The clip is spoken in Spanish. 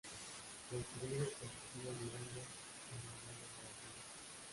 Construir el positivo mirando el modelo negativo.